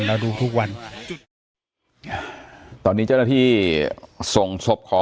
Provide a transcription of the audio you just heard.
มาทุกวันนะครับ